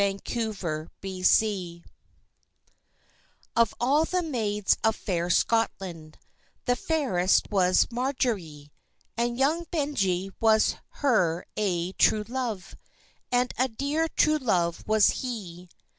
YOUNG BENJIE OF all the maids of fair Scotland, The fairest was Marjorie; And young Benjie was her ae true love, And a dear true love was he.